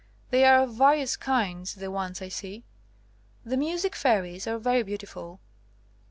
They are of various kinds, the ones I see. The music fairies are very beautiful.